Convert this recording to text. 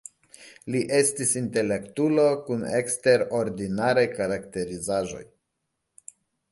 Li estis intelektulo kun eksterordinaraj karakterizaĵoj.